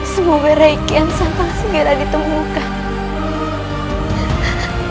semoga rai kian santan segera ditemukan